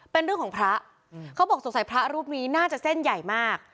เป็นเรื่องของพระเขาบอกสงสัยพระรูปนี้น่าจะเส้นใหญ่มาก